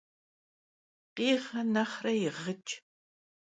Khiğe nexhre yiğıç'.